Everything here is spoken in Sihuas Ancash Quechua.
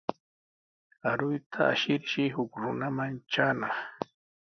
Aruyta ashirshi huk runaman traanaq.